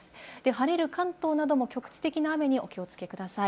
晴れる関東なども局地的な雨にお気をつけください。